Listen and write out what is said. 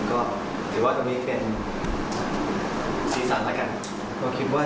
ก็ฝากไว้ทุกคนด้วยครับว่า